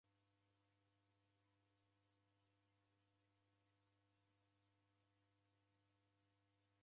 Nasingilwa ni historia ya w'urumwengu.